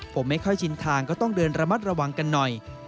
ผมไม่ค่อยชินทางก็ต้องเดินระมัดระวังกันหน่อย